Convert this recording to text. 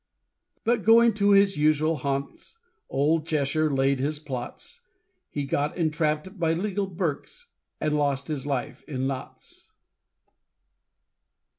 But going to his usual Hants, Old Cheshire laid his plots: He got entrapp'd by legal Berks, And lost his life in Notts.